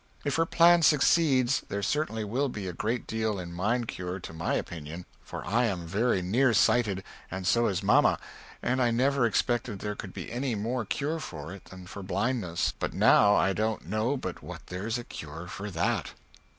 If her plan succeeds there certainly will be a great deal in "Mind Cure" to my oppinion, for I am very near sighted and so is mamma, and I never expected there could be any more cure for it than for blindness, but now I dont know but what theres a cure for that.